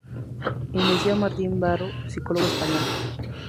Ignacio Martín-Baró, psicólogo español.